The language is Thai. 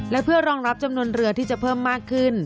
และเพื่อรองรับจำนวนเรือที่จะเพิ่มมากขึ้น